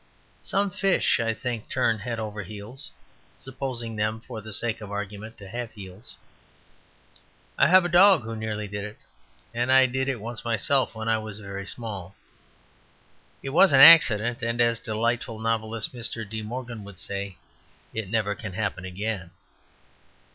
Some fish, I think, turn head over heels (supposing them, for the sake of argument, to have heels); I have a dog who nearly did it; and I did it once myself when I was very small. It was an accident, and, as delightful novelist, Mr. De Morgan, would say, it never can happen again.